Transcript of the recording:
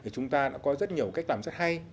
chúng ta đã có rất nhiều cách làm rất hay